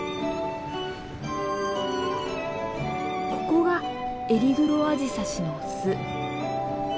ここがエリグロアジサシの巣。